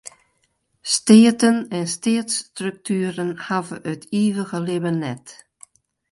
Steaten en steatsstruktueren hawwe it ivige libben net.